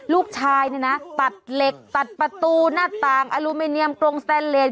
ลูกชายเนี่ยนะตัดเหล็กตัดประตูหน้าต่างอลูมิเนียมกรงสแตนเลส